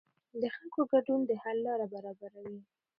د خلکو ګډون د حل لاره برابروي